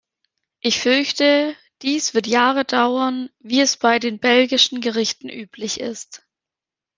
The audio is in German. Ich fürchte, dies wird Jahre dauern, wie es bei den belgischen Gerichten üblich ist.